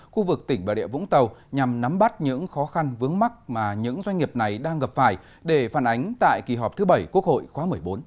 khu vực tỉnh bà địa vũng tàu nhằm nắm bắt những khó khăn vướng mắt mà những doanh nghiệp này đang gặp phải để phản ánh tại kỳ họp thứ bảy quốc hội khóa một mươi bốn